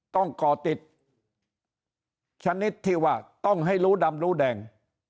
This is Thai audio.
ก่อติดชนิดที่ว่าต้องให้รู้ดำรู้แดง